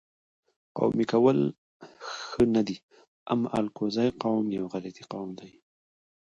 قومي کول ښه نه دي اما الکوزی قوم یو غیرتي قوم دي